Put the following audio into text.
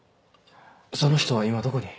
その人は今どこに？